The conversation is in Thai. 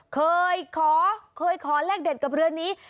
เคยขอเคยขอเลขเด็ดกับเรือนนี้